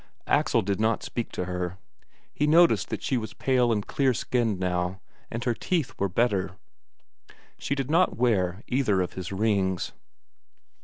Axel did not speak to her. He noticed that she was pale and clear skinned now, and her teeth were better. She did not wear either of his rings....